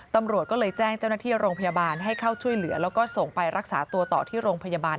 ตำรวจก็เลยแจ้งเจ้าหน้าที่โรงพยาบาลให้เข้าช่วยเหลือแล้วก็ส่งไปรักษาตัวต่อที่โรงพยาบาล